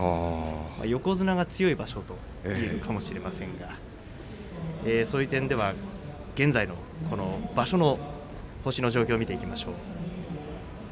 横綱が強い場所といえるかもしれませんがそういう点では、現在の場所の状況を見ていきましょう。